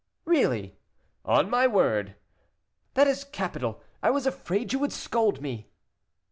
"Really!" "On my word." "That is capital; I was afraid you would scold me."